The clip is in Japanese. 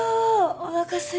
おなかすいた。